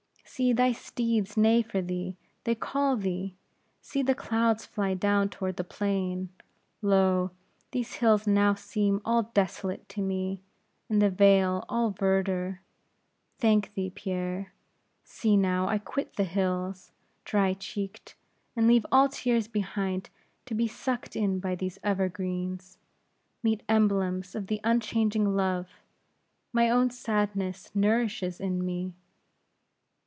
See, thy steeds neigh for thee they call thee see, the clouds fly down toward the plain lo, these hills now seem all desolate to me, and the vale all verdure. Thank thee, Pierre. See, now, I quit the hills, dry cheeked; and leave all tears behind to be sucked in by these evergreens, meet emblems of the unchanging love, my own sadness nourishes in me.